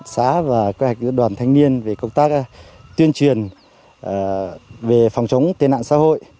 xã và các đoàn thanh niên về công tác tuyên truyền về phòng chống tên nạn xã hội